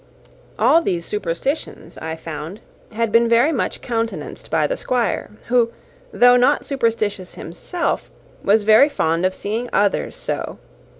All these superstitions, I found, had been very much countenanced by the Squire, who, though not superstitious himself, was very fond of seeing others so.